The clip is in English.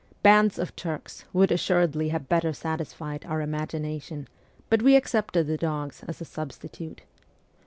Bands of Turks would assuredly have better satisfied our imagination, but we accepted the dogs as a substitute.